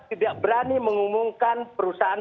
tidak berani mengumumkan perusahaan